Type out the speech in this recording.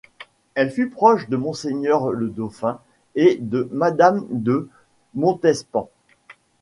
Elle fut proche de Monseigneur le Dauphin et de Madame de Montespan.